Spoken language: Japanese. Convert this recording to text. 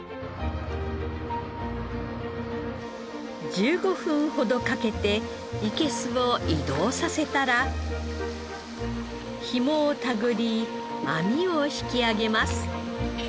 １５分ほどかけていけすを移動させたらひもを手繰り網を引き上げます。